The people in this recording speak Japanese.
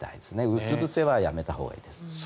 うつぶせはやめたほうがいいです。